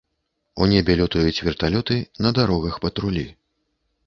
У небе лётаюць верталёты, на дарогах патрулі.